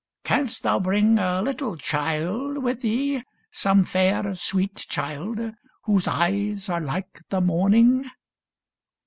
Canst thou bring A little child with thee — some fair, sweet child Whose eyes are like the morning